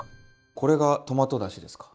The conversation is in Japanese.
これがトマトだしですか。